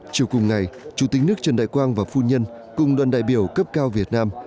chiều cùng ngày chủ tịch nước trần đại quang và phu nhân cùng đoàn đại biểu cấp cao việt nam